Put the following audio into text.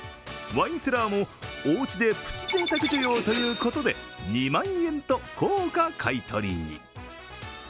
ワインセラーも、おうちでプチぜいたく需要ということで２万円と高価買い取りに。